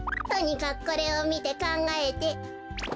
とにかくこれをみてかんがえて。